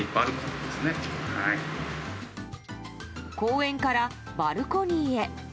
公園からバルコニーへ。